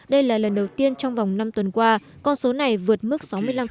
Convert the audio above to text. đây là lần đầu tiên trong vòng năm tuần qua con số này vượt mức sáu mươi năm